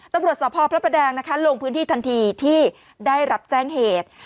ตำรวจสพพระประแดงนะคะลงพื้นที่ทันทีที่ได้รับแจ้งเหตุ